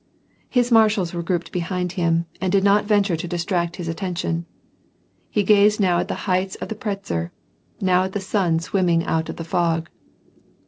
His marshals were grouped behind him and did not venture to distract his attention. He gazed now at the heights of the Pratzer, now at the sun swimming out from the fog.